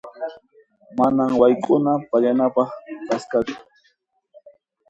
Manan wayk'una pallanapaq kasqachu.